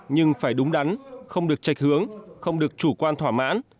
nhưng phải đúng đắn không được trạch hướng không được chủ quan thỏa mãn